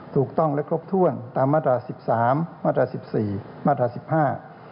ถูกต้องและครบถ้วนตามมาตรศิษย์๑๓มาตรศิษย์๑๔มาตรศิษย์๑๕